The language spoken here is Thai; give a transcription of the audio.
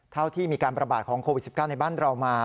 เท่าที่มีการประบาดของโควิด๑๙ในบ้านเรามา